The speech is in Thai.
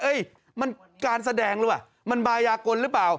มันการแสดงหรือเปล่ามันบายากลหรือเปล่า